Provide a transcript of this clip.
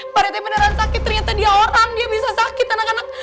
berarti beneran sakit ternyata dia orang dia bisa sakit anak anak